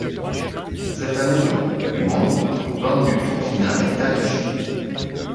En cette année de Coupe du monde, le programme du tour final est allégé.